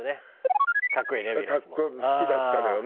好きだったのよ。